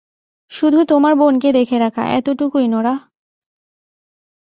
শুধু তোমার বোনকে দেখে রাখা এতটুকুই -নোরাহ!